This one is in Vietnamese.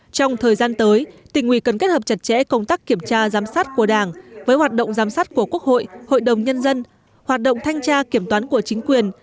trong thời gian tới tỉnh ủy cần kết hợp chặt chẽ công tác kiểm tra giám sát của đảng với hoạt động giám sát của quốc hội hội đồng nhân dân hoạt động thanh tra kiểm toán của chính quyền